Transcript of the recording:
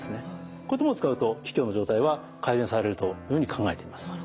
こういったものを使うと気虚の状態は改善されるというふうに考えています。